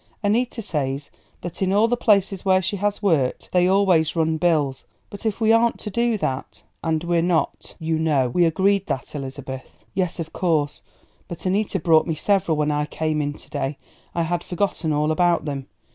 Annita says that in all the places where she has worked they always run bills; but if we aren't to do that " "And we're not, you know; we agreed about that, Elizabeth?" "Yes, of course; but Annita brought me several when I came in to day; I had forgotten all about them.